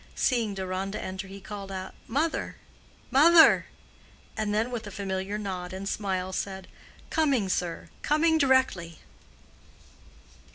Seeing Deronda enter, he called out "Mother! Mother!" and then with a familiar nod and smile, said, "Coming, sir—coming directly."